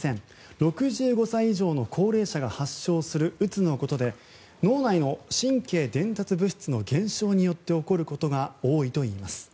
６５歳以上の高齢者が発症するうつのことで脳内の神経伝達物質の減少によって起こることが多いといいます。